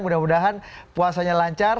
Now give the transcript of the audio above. mudah mudahan puasanya lancar